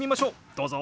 どうぞ。